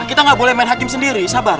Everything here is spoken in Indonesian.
kita nggak boleh main hakim sendiri sabar